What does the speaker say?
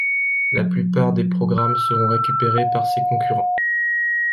La plupart des programmes seront récupérés par ses concurrents.